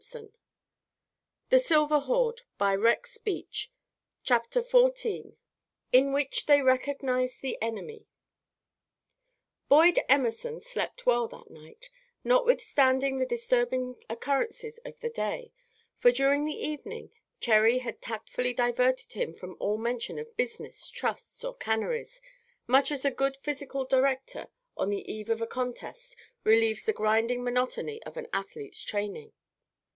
I I am very glad you have come, Cherry." CHAPTER XIV IN WHICH THEY RECOGNIZE THE ENEMY Boyd Emerson slept well that night, notwithstanding the disturbing occurrences of the day, for during the evening Cherry had tactfully diverted him from all mention of business, trusts, or canneries, much as a good physical director, on the eve of a contest, relieves the grinding monotony of an athlete's training.